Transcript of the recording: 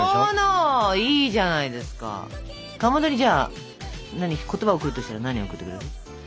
かまどにじゃあ言葉を贈るとしたら何贈ってくれる？